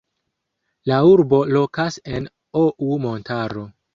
La urbo lokas en Ou montaro.